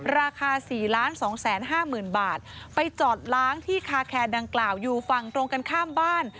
ราคา๔๒๕๐๐๐บาทไปจอดล้างที่คาแคร์ดังกล่าวอยู่ฝั่งตรงกันข้ามบ้าน